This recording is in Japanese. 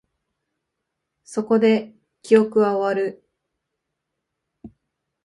そこで、記憶は終わる